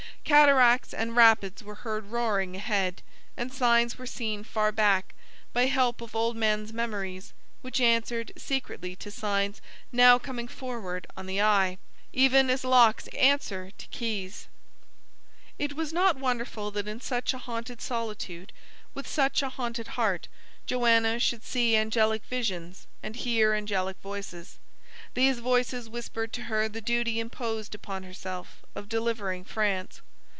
Cataracts and rapids were heard roaring ahead; and signs were seen far back, by help of old men's memories, which answered secretly to signs now coming forward on the eye, even as locks answer to keys. It was not wonderful that in such a haunted solitude, with such a haunted heart, Joanna should see angelic visions, and hear angelic voices. These voices whispered to her the duty imposed upon herself, of delivering France.